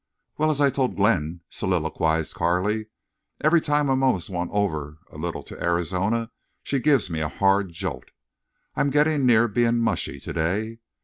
"Well, as I told Glenn," soliloquized Carley, "every time I'm almost won over a little to Arizona she gives me a hard jolt. I'm getting near being mushy today.